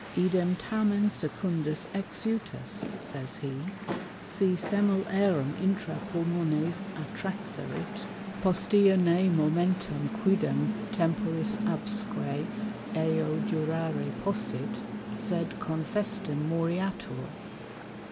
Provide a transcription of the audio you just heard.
_Idem tamen secundis exutus, (says he) si semel aerem intra Pulmones attraxerit, postea ne momentum quidem temporis absque eo durare possit, sed confestim moriatur.